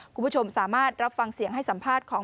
คุณผู้ชมสามารถรับฟังเสียงให้สัมภาษณ์ของ